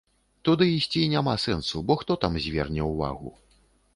Туды ісці няма сэнсу, бо хто там зверне ўвагу?